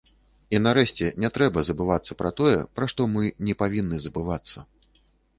І, нарэшце, не трэба забывацца пра тое, пра што мы не павінны забывацца.